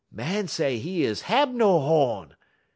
Màn say 'e is hab no ho'n.